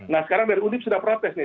nah sekarang dari udip sudah protes nih